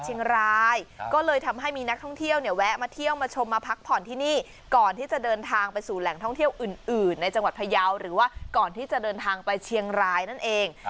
เชียงรายก็เลยทำให้มีนักท่องเที่ยวเนี่ยแวะมาเที่ยวมาชมมาพักผ่อนที่นี่ก่อนที่จะเดินทางไปสู่แหล่งท่องเที่ยวอื่นในจังหวัดพยาวหรือว่าก่อนที่จะเดินทางไปเชียงรายนั่นเอง